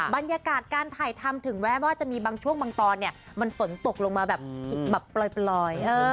บรรยากาศการถ่ายทำถึงแม้ว่าจะมีบางช่วงบางตอนเนี่ยมันฝนตกลงมาแบบปล่อย